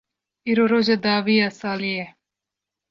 Îro roja dawî ya salê ye.